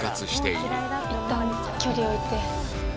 いったん距離を置いて。